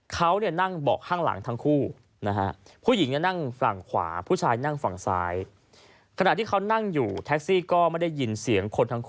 เขานั่งบอกห้างหลังทั้งคู่ผู้หญิงนั่งฝั่งขวาผู้ชายนั่งฝั่งซ้าย